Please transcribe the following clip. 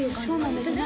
そうなんです